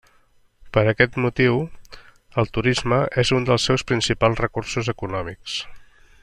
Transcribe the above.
Per aquest motiu el turisme és un dels seus principals recursos econòmics.